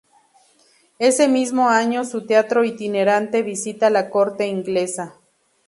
Ese mismo año, su teatro itinerante visita la corte inglesa.